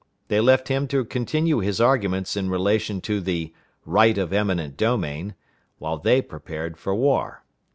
They left him to continue his arguments in relation to the "right of eminent domain," while they prepared for war.